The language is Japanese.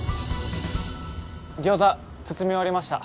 ギョーザ包み終わりました。